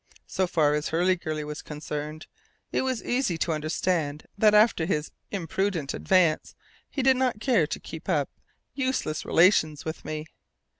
So far as Hurliguerly was concerned, it was easy to understand that after his imprudent advance he did not care to keep up useless relations with me.